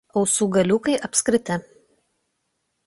Ausų galiukai apskriti.